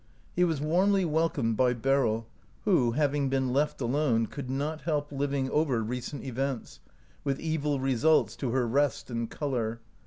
"He was warmly welcomed by Beryl, who, hav ing been left alone, could *»t help living over recent events, with evil results to her rest and color.